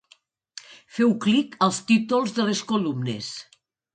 Feu clic als títols de les columnes.